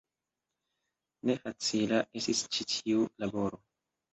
Ne facila estis ĉi tiu laboro.